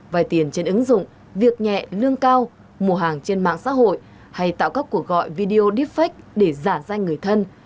vài tiền trên ứng dụng việc nhẹ lương cao mùa hàng trên mạng xã hội hay tạo các cuộc gọi video deepfake để giả danh người thân